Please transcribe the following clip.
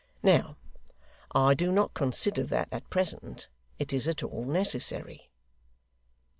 Now, I do not consider that, at present, it is at all necessary.